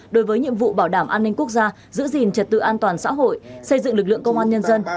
đối với nhiệm vụ bảo đảm an ninh quốc gia giữ gìn trật tự an toàn xã hội xây dựng lực lượng công an nhân dân